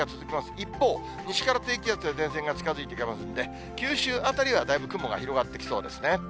一方、西から低気圧や前線が近づいてきますんで、九州辺りはだいぶ雲が広がってきそうですね。